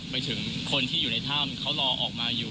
ไปถึงคนที่อยู่ในถ้ำเขารอออกมาอยู่